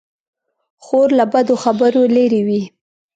خور له بدو خبرو لیرې وي.